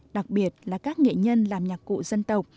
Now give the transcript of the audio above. đặc biệt là các nghệ nhân làm nhạc cụ dân tộc